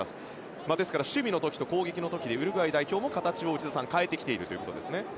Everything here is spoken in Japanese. ですから守備の時と攻撃の時でウルグアイ代表も形を変えてきているということですね。